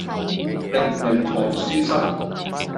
力榮堂書室